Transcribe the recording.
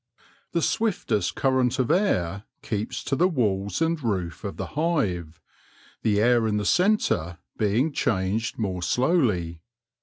The swiftest current of air keeps to the walls and roof of the hive, the air in the centre being changed more slowly.